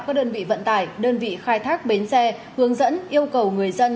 các đơn vị vận tải đơn vị khai thác bến xe hướng dẫn yêu cầu người dân